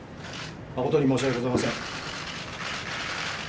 誠に申し訳ございません。